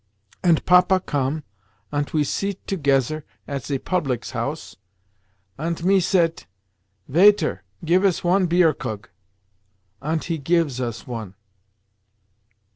Ant Papa come, ant we seat togezer at ze publics house, ant me sayt, 'Vaiter, give us one Bierkrug,' ant he gives us one.